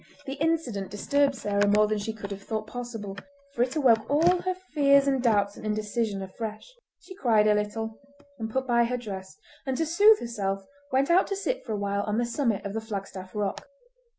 The incident disturbed Sarah more than she could have thought possible, for it awoke all her fears and doubts and indecision afresh. She cried a little, and put by her dress, and to soothe herself went out to sit for a while on the summit of the Flagstaff Rock.